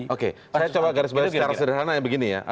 oke saya coba garis berarti secara sederhana ya begini ya